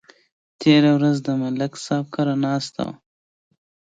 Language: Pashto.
تېره ورځ د ملک صاحب کره ناست وو